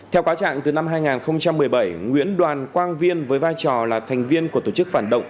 theo cáo trạng từ năm hai nghìn một mươi bảy nguyễn đoàn quang viên với vai trò là thành viên của tổ chức phản động